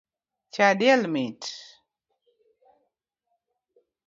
Cha diel mit